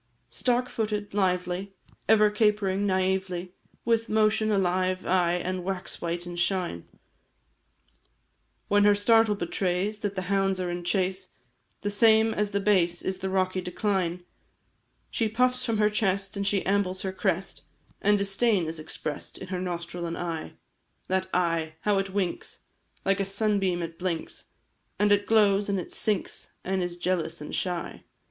Stark footed, lively, Ever capering naively With motion alive, aye, And wax white, in shine, When her startle betrays That the hounds are in chase, The same as the base Is the rocky decline She puffs from her chest, And she ambles her crest And disdain is express'd In her nostril and eye; That eye how it winks! Like a sunbeam it blinks, And it glows, and it sinks, And is jealous and shy!